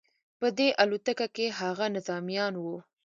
په دې الوتکه کې هغه نظامیان وو